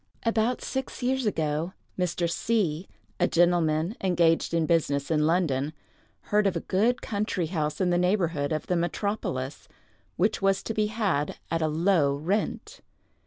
About six years ago, Mr. C——, a gentleman engaged in business in London, heard of a good country house in the neighborhood of the metropolis, which was to be had at a low rent.